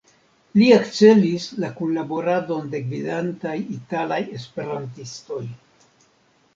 Li akcelis la kunlaboradon de gvidantaj italaj Esperantistoj.